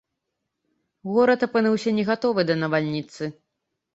Горад апынуўся не гатовы да навальніцы.